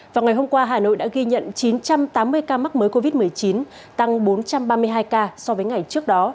vào ngày hôm qua hà nội đã ghi nhận chín trăm tám mươi ca mắc mới covid một mươi chín tăng bốn trăm ba mươi hai ca so với ngày trước đó